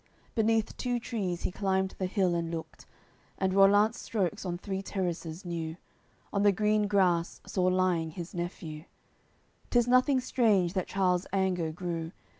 Beneath two trees he climbed the hill and looked, And Rollant's strokes on three terraces knew, On the green grass saw lying his nephew; `Tis nothing strange that Charles anger grew.